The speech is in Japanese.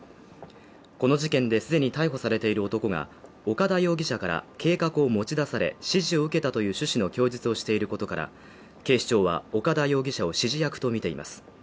この事件で既に逮捕されている男が岡田容疑者から計画を持ち出され、指示を受けたという趣旨の供述をしていることから、警視庁は岡田容疑者を指示役とみています。